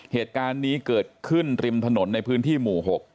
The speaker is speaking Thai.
เหตุการณ์นี้เกิดขึ้นริมถนนในพื้นที่หมู่๖